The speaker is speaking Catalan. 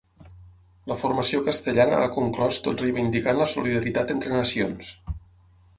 La formació castellana ha conclòs tot reivindicant la solidaritat entre nacions.